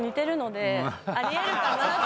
あり得るかなって。